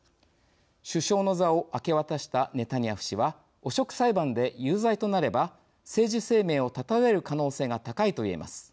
首相の座を明け渡したネタニヤフ氏は汚職裁判で有罪となれば政治生命を絶たれる可能性が高いと言えます。